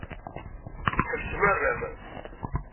Ḥebsem arram.